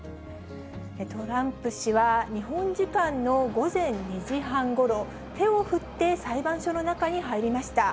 トランプ氏は日本時間の午前２時半ごろ、手を振って裁判所の中に入りました。